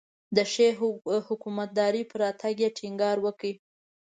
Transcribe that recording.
د ښې حکومتدارۍ پر راتګ یې ټینګار وکړ.